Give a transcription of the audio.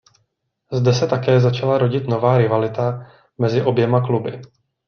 Zde se také začala rodit nová rivalita mezi oběma kluby.